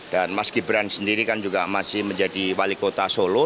dan mas gibran sendiri kan juga masih menjadi wali kota solo